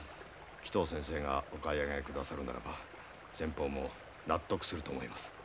鬼頭先生がお買い上げくださるならば先方も納得すると思います。